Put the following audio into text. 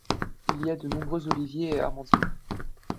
Il y a de nombreux oliviers et amandiers.